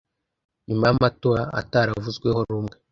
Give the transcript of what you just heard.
nyuma y'amatora ataravuzweho rumwe